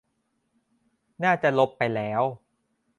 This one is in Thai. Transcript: น่าจะลบไปแล้ว